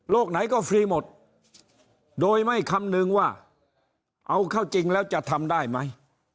ไหนก็ฟรีหมดโดยไม่คำนึงว่าเอาเข้าจริงแล้วจะทำได้ไหม